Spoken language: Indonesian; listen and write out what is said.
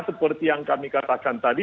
seperti yang kami katakan tadi